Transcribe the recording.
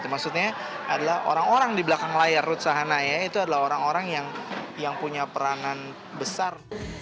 maksudnya adalah orang orang di belakang layar rutsahanaya itu adalah orang orang yang punya peranan besar